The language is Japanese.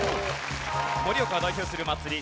盛岡を代表する祭り